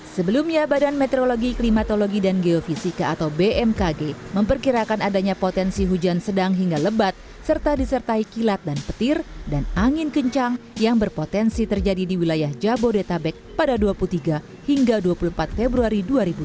sebelumnya badan meteorologi klimatologi dan geofisika atau bmkg memperkirakan adanya potensi hujan sedang hingga lebat serta disertai kilat dan petir dan angin kencang yang berpotensi terjadi di wilayah jabodetabek pada dua puluh tiga hingga dua puluh empat februari dua ribu dua puluh